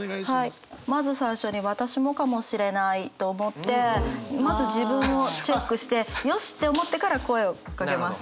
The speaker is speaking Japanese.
まず最初に私もかもしれないと思ってまず自分をチェックしてよしって思ってから声をかけます。